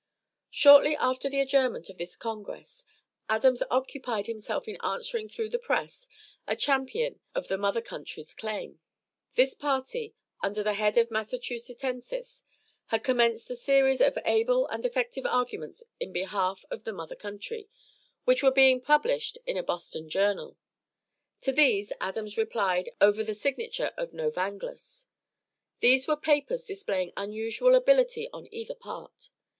Shortly after the adjournment of this congress Adams occupied himself in answering through the press a champion of the mother country's claim. This party, under the head of 'Massachusettensis,' had commenced a series of able and effective arguments in behalf of the mother country, which were being published in a Boston journal. To these Adams replied over the signature of 'Novanglus.' These were papers displaying unusual ability on either part.